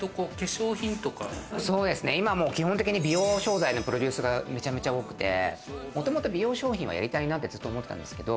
今、基本的に美容商材のプロデュースがめちゃめちゃ多くてもともと美容商品はずっとやりたいなと思っていたんですけど。